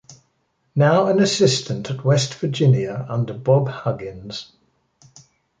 Now an assistant at West Virginia under Bob Huggins.